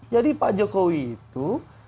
jadi pak jokowi itu